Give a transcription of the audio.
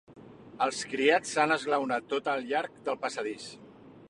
Els criats s'han esglaonat tot al llarg del passadís.